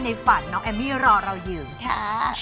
ฝันน้องเอมมี่รอเราอยู่ค่ะ